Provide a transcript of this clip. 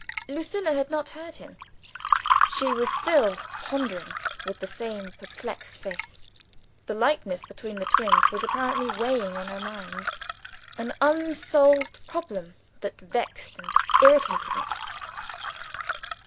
Lucilla had not heard him. She was still pondering, with the same perplexed face. The likeness between the twins was apparently weighing on her mind an unsolved problem that vexed and irritated it.